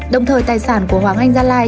đồng thời tài sản của hoàng anh gia lai